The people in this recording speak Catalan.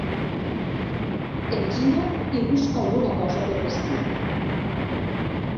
Em giro i busco alguna cosa per vestir-me.